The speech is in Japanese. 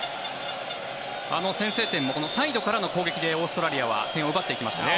あの先制点もサイドからの攻撃でオーストラリアは点を奪っていきましたね。